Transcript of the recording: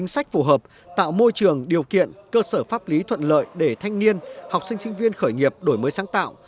sách phù hợp tạo môi trường điều kiện cơ sở pháp lý thuận lợi để thanh niên học sinh sinh viên khởi nghiệp đổi mới sáng tạo